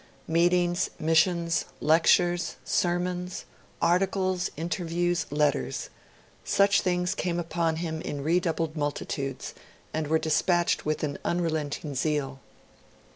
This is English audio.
Meetings, missions, lectures, sermons, articles, interviews, letters such things came upon him in redoubled multitudes, and were dispatched with an unrelenting zeal.